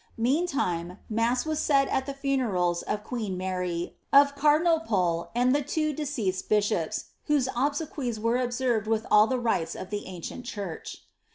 Meantime, mass was said at the funerals of queen Mary, of cardinal Pole, and the two deceased bishops, whose obsequies were observed with all the rites of the ancient church.